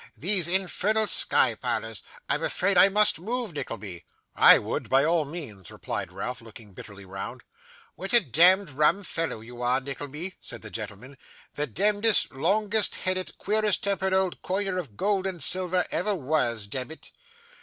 These infernal sky parlours I'm afraid I must move, Nickleby.' 'I would, by all means,' replied Ralph, looking bitterly round. 'What a demd rum fellow you are, Nickleby,' said the gentleman, 'the demdest, longest headed, queerest tempered old coiner of gold and silver ever was demmit.